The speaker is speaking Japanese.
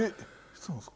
そうなんですか？